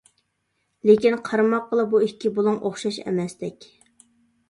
لېكىن قارىماققىلا بۇ ئىككى بۇلۇڭ ئوخشاش ئەمەستەك.